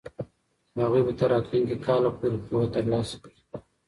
هغوی به تر راتلونکي کاله پورې پوهه ترلاسه کړي.